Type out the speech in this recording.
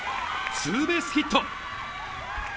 ツーベースヒット！